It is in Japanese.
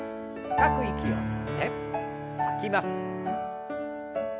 深く息を吸って吐きます。